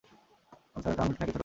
Sir আমি টিনাকে ছোটবেলা থেকে চিনি।